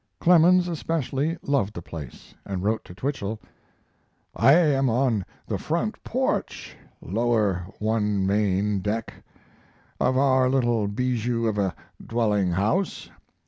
Clemens, especially, loved the place, and wrote to Twichell: I am on the front porch (lower one main deck) of our little bijou of a dwelling house.